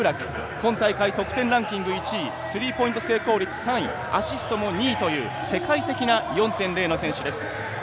今回得点ランキング１位スリーポイント成功率３位アシストも２位という世界的な４．０の選手です。